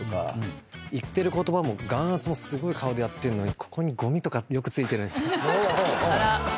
言ってる言葉も眼圧もすごい顔でやってんのにここにゴミとかよく付いてるんですよ。